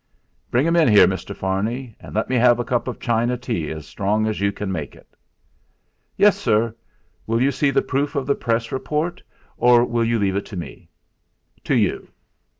"Bring 'em in here, Mr. Farney. And let me have a cup of China tea as strong as you can make it." "Yes, sir. Will you see the proof of the press report, or will you leave it to me?" "To you."